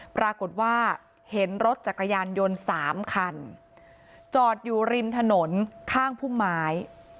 ปรากฏว่าเห็นรถจักรยานยนต์๓คันจอดอยู่ริมถนนข้างพุ่มไม้